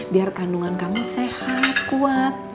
biar kandungan kami sehat kuat